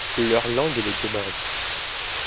Leur langue est le domari.